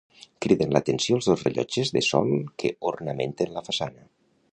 Criden l'atenció els dos rellotges de sol que ornamenten la façana.